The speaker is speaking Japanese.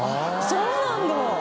そうなんだ！